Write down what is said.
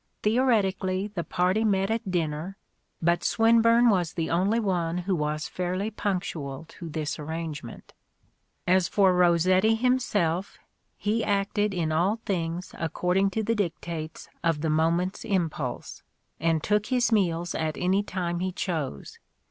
Theoretically the party met at dinner : but Swinburne was the only one who was fairly punctual to this arrangement. As for Rossetti himself, he acted in all things according to the dictates of the moment's im pulse : and took his meals at any time he chose.